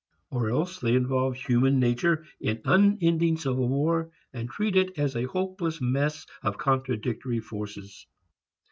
Or else they involve human nature in unending civil war, and treat it as a hopeless mess of contradictory forces.